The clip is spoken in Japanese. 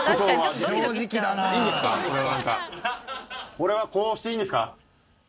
これはこうしていいんですか？